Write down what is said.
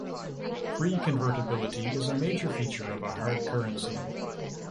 Free convertibility is a major feature of a hard currency.